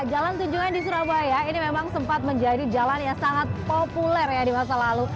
jalan tunjungan di surabaya ini memang sempat menjadi jalan yang sangat populer ya di masa lalu